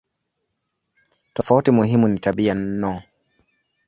Tofauti muhimu ni tabia no.